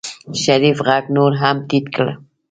شريف غږ نور هم ټيټ کړ.